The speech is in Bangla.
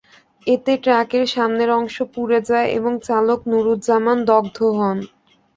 এতে ট্রাকের সামনের অংশ পুড়ে যায় এবং চালক নুরুজ্জামান দগ্ধ হন।